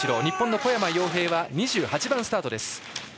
日本の小山陽平は２８番スタートです。